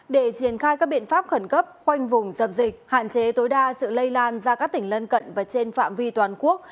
để triển khai các biện pháp khẩn cấp khoanh vùng dập dịch hạn chế tối đa sự lây lan ra các tỉnh lân cận và trên phạm vi toàn quốc